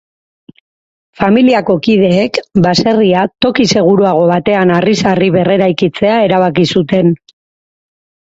Familiako kideek baserria toki seguruago batean harriz harri berreraikitzea erabaki zuten.